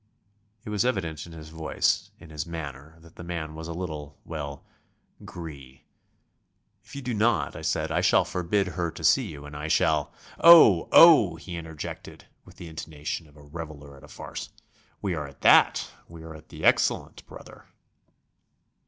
It was evident in his voice, in his manner, that the man was a little well, gris. "If you do not," I said, "I shall forbid her to see you and I shall ..." "Oh, oh!" he interjected with the intonation of a reveller at a farce. "We are at that we are the excellent brother."